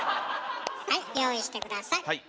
はい用意して下さい。